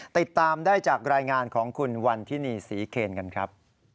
ติดตามได้จากรายงานของคุณวันทินีศรีเคนกันครับ